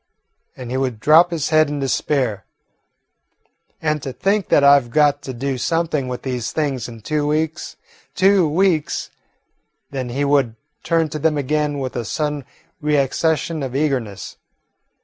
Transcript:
and he would drop his head in despair. "And to think that I 've got to do something with these things in two weeks two weeks!" Then he would turn to them again with a sudden reaccession of eagerness.